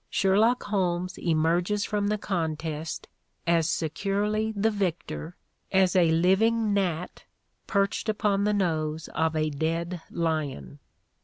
"Sher lock Holmes" emerges from the contest as securely the victor as a living gnat perched upon the nose of a dead lion.